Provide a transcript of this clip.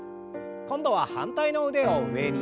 今度は反対の腕を上に。